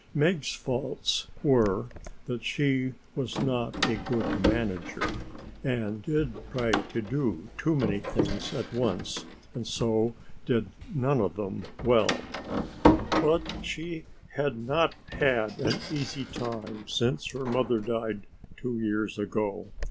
Meg's faults were that she was not a good manager and did try to do too many things at once and so did none of them well, but she had not had an easy time since her mother died two years ago.